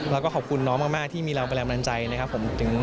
แล้วก็ขอบคุณน้องมากที่มีเราเป็นแรงบันดาลใจนะครับผม